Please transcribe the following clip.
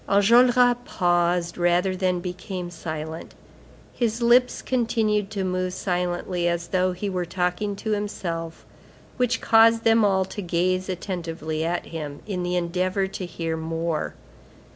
Enjolras paused rather than became silent; his lips continued to move silently, as though he were talking to himself, which caused them all to gaze attentively at him, in the endeavor to hear more.